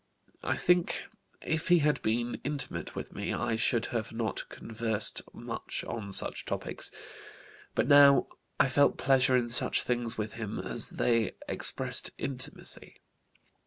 I think if he had been intimate with me I should have not conversed much on such topics, but now I felt pleasure in such things with him as they expressed intimacy.